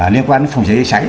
liên quan đến phòng cháy gây cháy